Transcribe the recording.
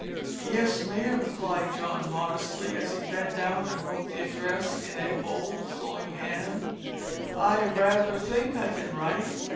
"Yes, ma'am," replied John, modestly, as he bent down and wrote the address in a bold flowing hand, "I raither think I can write.